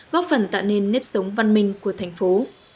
góp phần tạo nên nếp sống văn minh của thành phố